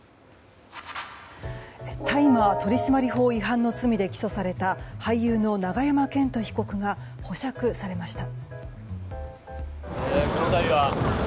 大麻取締法違反の罪で起訴された俳優の永山絢斗被告が保釈されました。